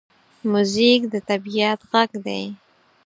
موزیک د طبعیت غږ دی.